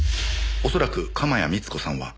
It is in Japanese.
恐らく鎌谷充子さんは。